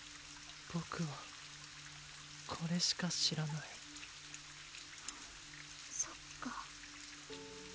ボクはこれしか知らないそっか